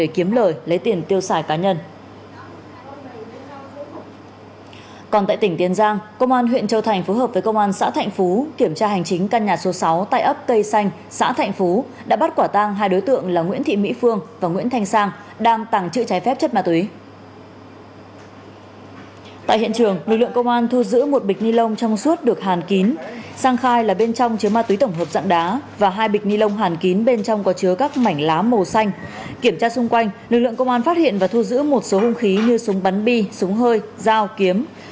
kiểm tra xung quanh lực lượng công an phát hiện và thu giữ một số hung khí như súng bắn bi súng hơi dao kiếm